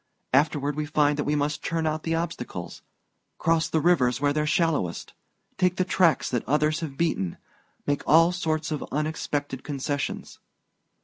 Afterward we find that we must turn out for the obstacles cross the rivers where they're shallowest take the tracks that others have beaten make all sorts of unexpected concessions.